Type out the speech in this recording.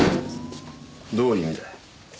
どういう意味だよ。